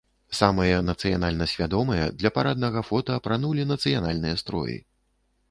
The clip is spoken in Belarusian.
Самыя нацыянальна свядомыя для параднага фота апранулі нацыянальныя строі.